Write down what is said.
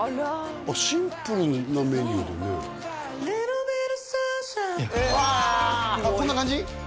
シンプルなメニューだねうわあっこんな感じ？